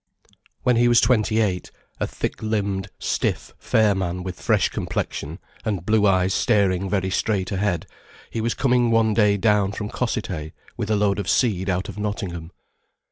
When he was twenty eight, a thick limbed, stiff, fair man with fresh complexion, and blue eyes staring very straight ahead, he was coming one day down from Cossethay with a load of seed out of Nottingham.